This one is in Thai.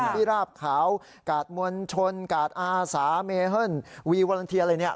ที่ราบขาวกาดมวลชนกาดอาสาเมเฮิลวีวาลันเทียอะไรเนี่ย